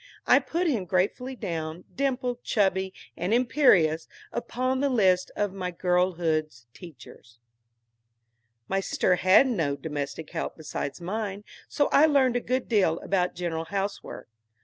I put him gratefully down, dimpled, chubby, and imperious, upon the list of my girlhood's teachers. My sister had no domestic help besides mine, so I learned a good deal about general housework.